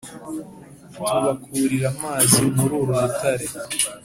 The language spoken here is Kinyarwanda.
Tubakurira amazi muri uru rutare